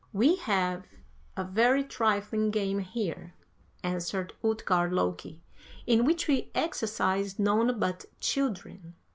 "'We have a very, trifling game here,' answered Ut gard Loki, 'in which we exercise none but children.